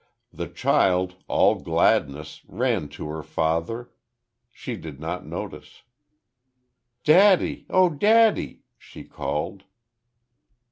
The child, all gladness, ran to her father; she did not notice. "Daddy! Oh, daddy!" she called.